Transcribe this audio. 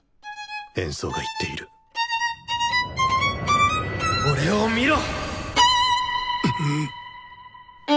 演奏が言っている俺を見ろ！